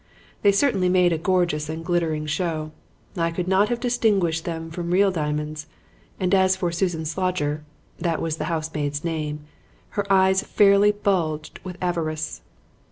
They certainly made a gorgeous and glittering show. I could not have distinguished them from real diamonds; and as for Susan Slodger that was the housemaid's name her eyes fairly bulged with avarice.